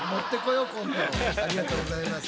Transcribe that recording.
ありがとうございます。